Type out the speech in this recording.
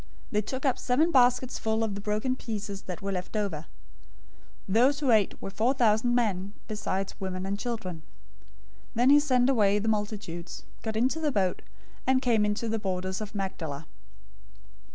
They took up seven baskets full of the broken pieces that were left over. 015:038 Those who ate were four thousand men, besides women and children. 015:039 Then he sent away the multitudes, got into the boat, and came into the borders of Magdala.